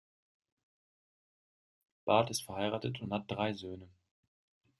Barth ist verheiratet und hat drei Söhne.